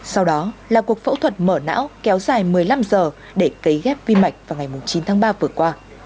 sau đó là cuộc phẫu thuật mở não kéo dài một mươi năm giờ để cấy ghép vi mạch vào ngày chín tháng ba vừa qua